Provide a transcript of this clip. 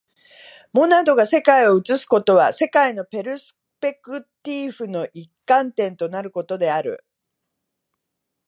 モナドが世界を映すことは、世界のペルスペクティーフの一観点となることである。